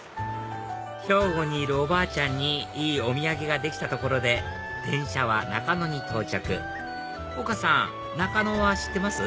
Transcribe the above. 兵庫にいるおばあちゃんにいいお土産ができたところで電車は中野に到着丘さん中野は知ってます？